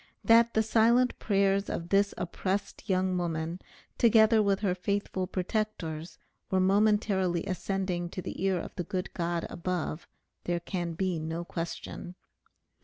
That the silent prayers of this oppressed young woman, together with her faithful protector's, were momentarily ascending to the ear of the good God above, there can be no question.